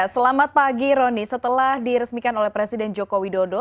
selamat pagi roni setelah diresmikan oleh presiden joko widodo